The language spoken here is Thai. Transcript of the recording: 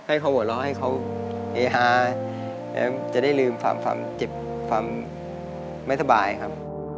อย่าให้เขาเหอะหาอย่างนั้นจะได้ลืมความเจ็บความไม่สบายครับ